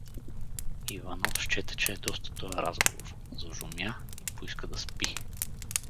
Иванов счете, че е доста тоя разговор, зажумя и поиска да спи.